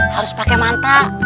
harus pakai mantra